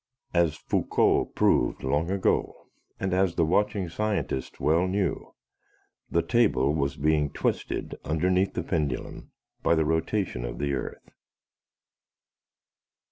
As Foucault proved long ago and as the watching scientists well knew, the table was being twisted underneath the pendulum by the rotation of the earth.